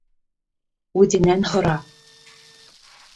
— Үҙенән һора.